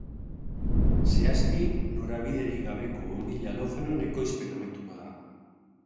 Zehazki, norabiderik gabeko bonbilla halogenoen ekoizpena amaituko da.